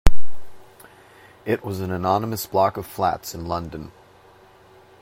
It was an anonymous block of flats in London